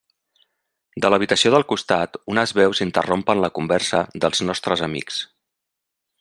De l'habitació del costat unes veus interrompen la conversa dels nostres amics.